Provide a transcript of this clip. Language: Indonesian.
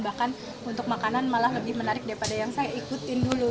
bahkan untuk makanan malah lebih menarik daripada yang saya ikutin dulu